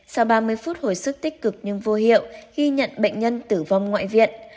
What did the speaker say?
sau ba mươi phút hồi sức tích cực nhưng vô hiệu ghi nhận bệnh nhân tử vong ngoại viện